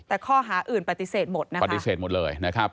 แต่ข้อหาอื่นปฏิเสธหมดนะครับปฏิเสธหมดเลยนะครับ